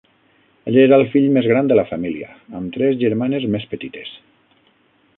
Ell era el fill més gran de la família, amb tres germanes més petites.